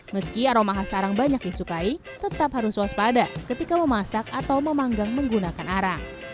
meski aroma khas arang banyak disukai tetap harus waspada ketika memasak atau memanggang menggunakan arang